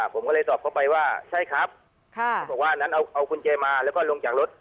ผมก็เลยสอบเข้าไปว่าใช่ครับเขาบอกว่าอันนั้นเอากุญแจมาแล้วก็ลงจากรถ